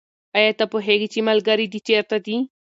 آیا ته پوهېږې چې ملګري دې چېرته دي؟